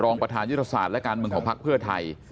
ประธานยุทธศาสตร์และการเมืองของภักดิ์เพื่อไทย